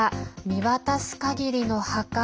見渡す限りの墓。